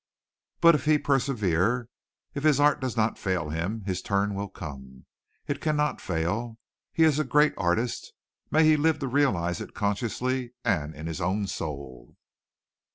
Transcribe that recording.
But if he persevere, if his art does not fail him, his turn will come. It cannot fail. He is a great artist. May he live to realize it consciously and in his own soul."